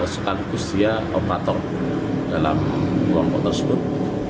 sutan gus dia operator dalam kelompok tersebut